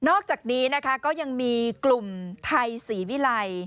อกจากนี้นะคะก็ยังมีกลุ่มไทยศรีวิลัย